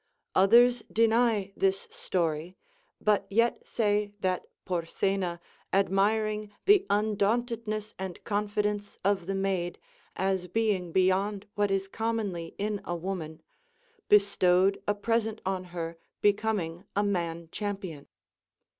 Others deny this story, but yet say that Porsena admiring the. undauntedness and confidence of the maid, as being beyond Avhat is commonly in a woman, bestowed a present on her becoming a man champion.